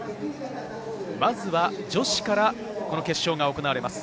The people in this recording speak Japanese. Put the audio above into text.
まずは女子からこの決勝が行われます。